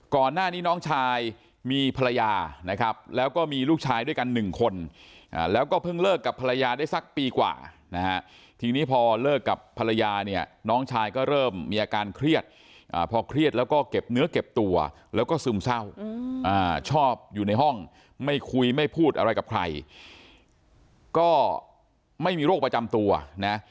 ก่อนหน้านี้น้องชายมีภรรยานะครับแล้วก็มีลูกชายด้วยกันหนึ่งคนแล้วก็เพิ่งเลิกกับภรรยาได้สักปีกว่านะฮะทีนี้พอเลิกกับภรรยาเนี่ยน้องชายก็เริ่มมีอาการเครียดพอเครียดแล้วก็เก็บเนื้อเก็บตัวแล้วก็ซึมเศร้าชอบอยู่ในห้องไม่คุยไม่พูดอะไรกับใครก็ไม่มีโรคประจำตัวนะ